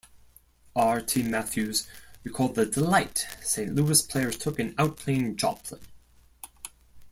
Artie Matthews recalled the "delight" the Saint Louis players took in outplaying Joplin.